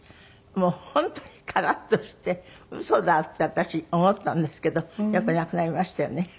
もう本当にカラッとしてウソだって私思ったんですけどやっぱり亡くなりましたよね